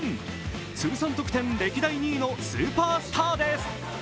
通算得点歴代２位のスーパースターです。